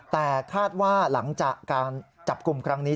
แต่คาดว่าหลังจากการจับกลุ่มครั้งนี้